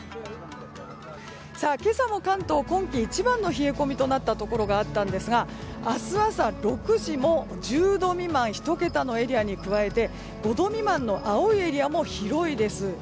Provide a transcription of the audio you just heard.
今朝も関東今季一番の冷え込みとなったところがあったんですが明日朝６時も１０度未満１桁のエリアに加えて５度未満の青いエリアも広いです。